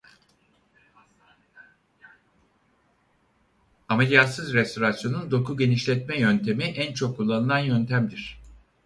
Ameliyatsız restorasyonun doku genişletme yöntemi en çok kullanılan yöntemdir.